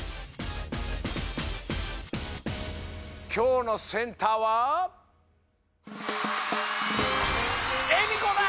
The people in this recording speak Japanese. きょうのセンターはえみこだ！